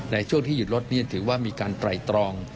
ในช่วงที่หยุดรถถือว่ามีการไตรตรอง